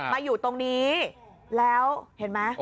มาอยู่ตรงนี้แล้วเห็นไหม